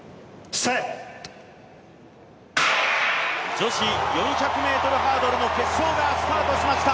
女子４００ｍハードルの決勝がスタートしました。